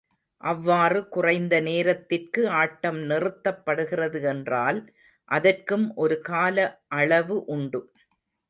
அவ்வாறு குறைந்த நேரத்திற்கு ஆட்டம் நிறுத்தப்படுகிறது என்றால், அதற்கும் ஒரு கால அளவு உண்டு.